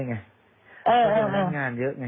เพราะมันทำงานเยอะไง